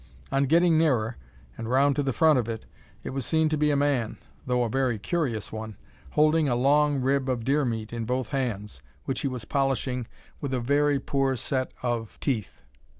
On getting nearer, and round to the front of it, it was seen to be a man, though a very curious one, holding a long rib of deer meat in both hands, which he was polishing with a very poor set of teeth.